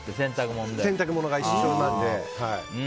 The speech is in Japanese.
洗濯物が一緒なので。